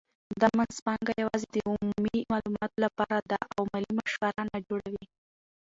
دا مینځپانګه یوازې د عمومي معلوماتو لپاره ده او مالي مشوره نه جوړوي.